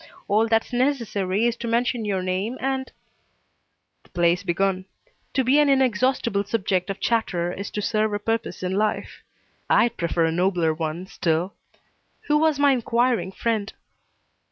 All that's necessary is to mention your name and " "The play's begun. To be an inexhaustible subject of chatter is to serve a purpose in life. I'd prefer a nobler one, still Who was my inquiring friend?"